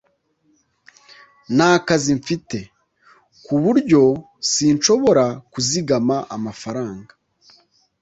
nta kazi mfite, ku buryo sinshobora kuzigama amafaranga